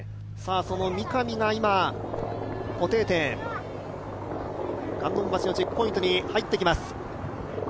その三上が今、固定点、観音橋のチェックポイントに入ってきます。